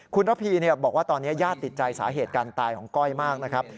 คุณระพีบอกว่าตอนนี้ญาติติดใจสาเหตุการตายของก้อยมากนะครับ